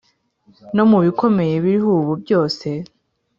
No mu bikomeye biriho ubu byose